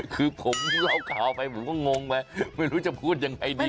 คือผมเล่าข่าวไปผมก็งงไปไม่รู้จะพูดยังไงดี